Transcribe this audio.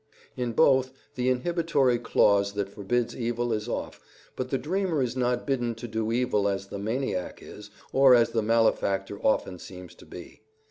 In both, the inhibitory clause that forbids evil is off, but the dreamer is not bidden to do evil as the maniac is, or as the malefactor often seems to be.